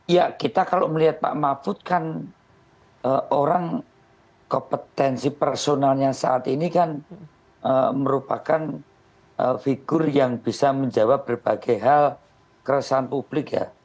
ya kita kalau melihat pak mahfud kan orang kompetensi personalnya saat ini kan merupakan figur yang bisa menjawab berbagai hal keresahan publik ya